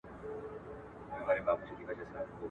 چرګ ښوروا زکام جوړوي.